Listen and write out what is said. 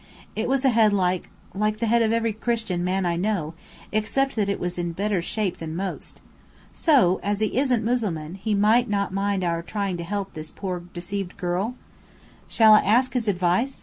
It was a head like like the head of every Christian man I know, except that it was a better shape than most! So, as he isn't Mussulman, he might not mind our trying to help this poor deceived girl?" "Shall I ask his advice?"